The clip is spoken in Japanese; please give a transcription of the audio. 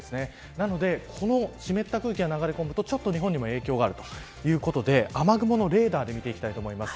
なのでこの湿った空気が流れ込むとちょっと日本にも影響があるということで雨雲のレーダーで見ていきたいと思います。